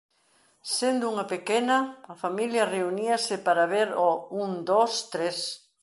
Sendo unha pequena, a familia reuníase para ver o Un, dos, tres;